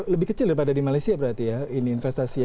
lebih kecil daripada di malaysia berarti ya ini investasinya